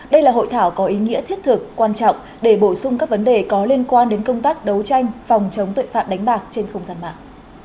đây là hội thảo có ý nghĩa thiết thực quan trọng để bổ sung các vấn đề có liên quan đến công tác đấu tranh phòng chống tội phạm đánh bạc trên không gian mạng